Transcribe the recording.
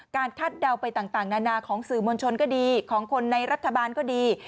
คาดเดาไปต่างนานาของสื่อมวลชนก็ดีของคนในรัฐบาลก็ดี